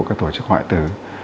các tổ chức hoại tử